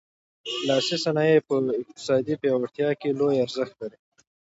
لاسي صنایع په اقتصادي پیاوړتیا کې لوی ارزښت لري.